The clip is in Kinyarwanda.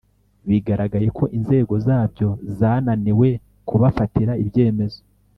bigaragaye ko inzego zabyo zananiwe kubafatira ibyemezo